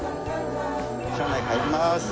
車内入ります。